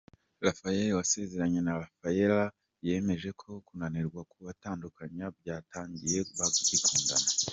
Rafael wasezeranye na Rafaela yemeje ko kunanirwa kubatandukanya byatangiye bagikundana.